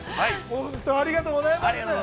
本当ありがとうございます！